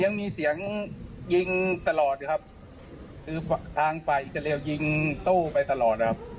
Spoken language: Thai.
ยังมีเสียงยิงตลอดครับคือทางฝ่ายอิสราเอลยิงตู้ไปตลอดนะครับ